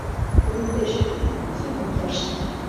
Луктыч, судитлышт.